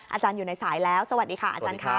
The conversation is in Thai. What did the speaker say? อาจารย์อยู่ในสายแล้วสวัสดีค่ะอาจารย์ค่ะ